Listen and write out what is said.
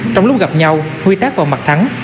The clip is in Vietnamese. trong lúc gặp nhau huy tác vào mặt thắng